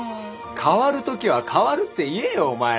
代わるときは代わるって言えよお前ら。